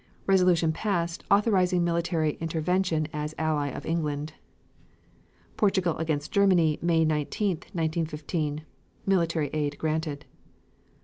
(Resolution passed authorizing military intervention as ally of England) Portugal against Germany, May 19, 1915. (Military aid granted.)